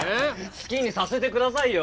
好きにさせてくださいよ！